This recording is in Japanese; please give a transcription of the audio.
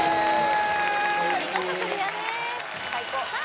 お見事クリアですさあ